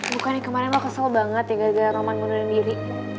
bukannya kemarin lu kesel banget ya gara gara roman ngundurin diri